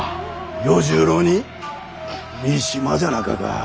与十郎に三島じゃなかか！